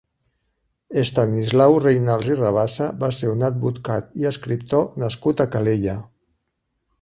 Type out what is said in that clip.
Estanislau Reynals i Rabassa va ser un advocat i escriptor nascut a Calella.